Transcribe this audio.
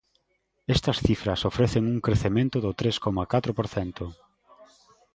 Estas cifras ofrecen un crecemento do tres coma catro por cento.